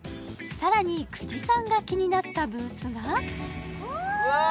さらに久慈さんが気になったブースがうわ